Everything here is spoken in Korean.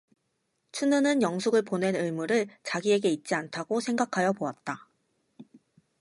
춘우는 영숙을 보낼 의무는 자기에게 있지 않다고 생각하여 보았다.